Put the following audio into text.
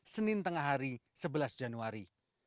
senin tengah hari sebelas januari